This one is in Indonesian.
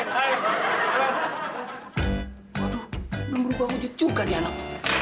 aduh udah berubah wujud juga nih anak